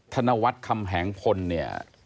ธนวัฒน์คำแหงพลเนี่ย